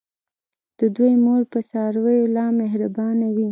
د دوی مور په څارویو لا مهربانه وي.